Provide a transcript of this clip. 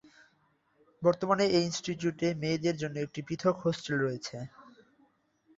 বর্তমানে এই ইনস্টিটিউটে মেয়েদের জন্য একটি পৃথক হোস্টেল রয়েছে।